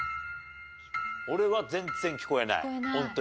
全然聞こえない。